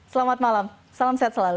selamat malam salam sehat selalu